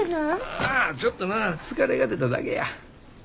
ああちょっとな疲れが出ただけや。